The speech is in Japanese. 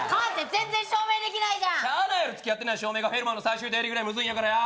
全然証明できないじゃんしゃあないやろ付き合ってない証明がフェルマーの最終定理ぐらいむずいんやからよ